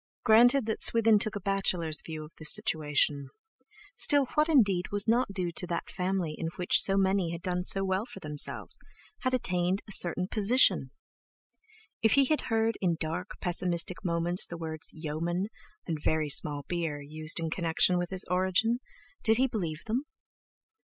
Granted that Swithin took a bachelor's view of the situation—still what indeed was not due to that family in which so many had done so well for themselves, had attained a certain position? If he had heard in dark, pessimistic moments the words "yeomen" and "very small beer" used in connection with his origin, did he believe them?